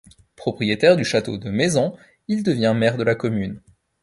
Propriétaire du château de Mézens, il devient maire de la commune.